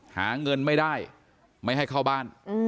หาเงินไม่ได้ไม่ให้เข้าบ้าน